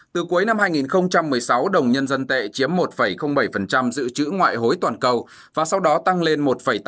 từ cuối năm hai nghìn một mươi sáu đồng nhân dân tệ chiếm một bảy dự trữ ngoại hối toàn cầu và sau đó tăng lên một tám